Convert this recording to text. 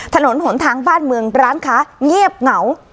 ถนนหนทางบ้านเมืองร้านค้าเงียบเหงา